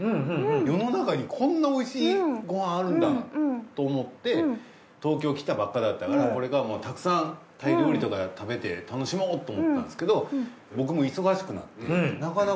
世の中にこんなおいしいごはんあるんだと思って東京来たばっかだったからこれからたくさんタイ料理とか食べて楽しもうと思ったんですけど。